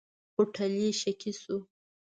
هوټلي شکي شو.